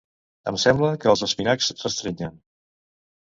Em sembla que els espinacs restrinyen